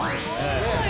すごい。